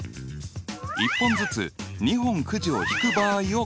１本ずつ２本くじを引く場合を考えてみよう。